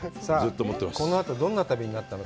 このあと、どんな旅になったの？